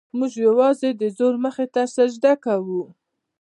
موږ یوازې د زور مخې ته سجده کوو.